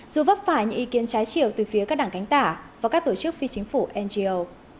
dù vấp phải những ý kiến trái chiều từ phía các đảng cánh tả và các tổ chức phi chính phủ ngo